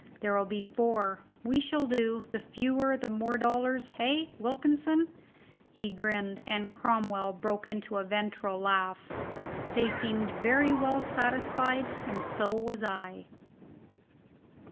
"There'll be four; we shall do. The fewer the more dollars, hey, Wilkinson?" He grinned, and Cromwell broke into a ventral laugh. They seemed very well satisfied, and so was I.